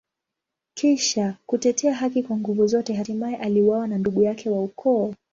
Kisha kutetea haki kwa nguvu zote, hatimaye aliuawa na ndugu yake wa ukoo.